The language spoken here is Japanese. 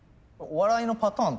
お笑いのパターン？